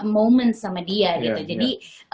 momen sama dia gitu jadi